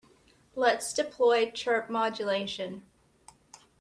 Let's deploy chirp modulation.